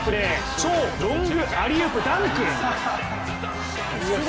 超ロングアリウープダンク。